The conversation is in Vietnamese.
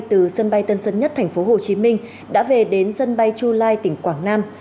từ sân bay tân sân nhất tp hcm đã về đến sân bay chulai tỉnh quảng nam